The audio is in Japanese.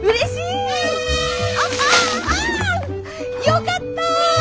よかった！